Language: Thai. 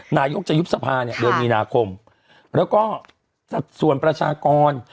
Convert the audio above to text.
นายกจะยุบสภาเนี่ยเดือนมีนาคมแล้วก็สัดส่วนประชากร